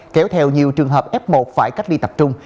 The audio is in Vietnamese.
kéo theo nhiều trường hợp f một phải cách ly tập trung